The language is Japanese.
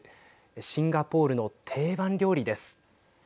シンガポールの定番料理です。